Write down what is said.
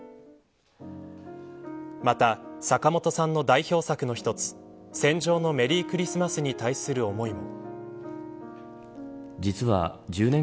また、坂本さんの代表作の一つ戦場のメリークリスマスに対する思いも。